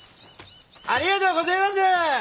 ありがとうごぜます！